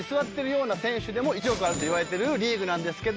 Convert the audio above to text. １億あるといわれてるリーグなんですけど。